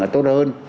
là tốt hơn